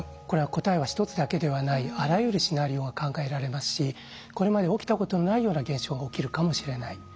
これは答えは一つだけではないあらゆるシナリオが考えられますしこれまで起きたことのないような現象が起きるかもしれない。